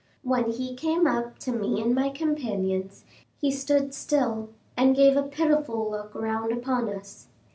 When he came up to me and my companions, he stood still, and gave a pitiful look round upon us.